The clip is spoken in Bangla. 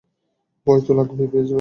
ভয় তো লাগবেই, ফেজি ভাই।